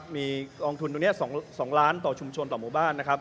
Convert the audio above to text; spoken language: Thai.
มีลองทุน๒ล้านต่อชุมชนต่อหมู่บ้าน